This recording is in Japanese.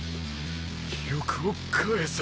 記憶を返せ。